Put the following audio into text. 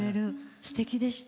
すてきでした。